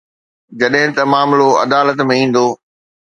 جڏهن ته معاملو عدالت ۾ ايندو.